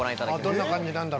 どんな感じになんだろ。